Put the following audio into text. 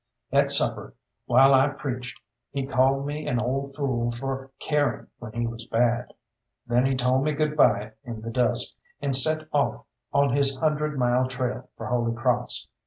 At supper, while I preached, he called me an old fool for caring when he was bad. Then he told me good bye in the dusk, and set off on his hundred mile trail for Holy Cross.